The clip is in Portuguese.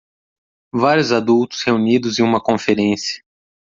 Vários adultos reunidos em uma conferência.